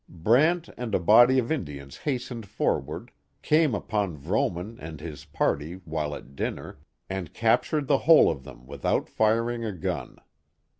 Brant and a body of Indians hastened forward, came upon Vrooman and his party while at dinner, and captured the whole of them without firing a gun.